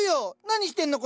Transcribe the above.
何してんの？